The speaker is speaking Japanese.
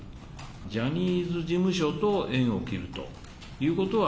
ジャニーズ事務所と縁を切るということは、